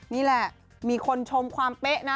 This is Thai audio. นี่แหละมีคนชมความเป๊ะนะ